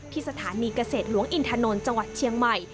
ที่สถานีเกษตรหลวงอินทนนท์จังหวัดเชียงใหม่